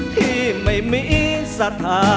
ที่ไม่มีสถานะ